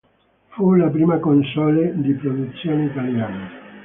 Fu la prima console di produzione italiana.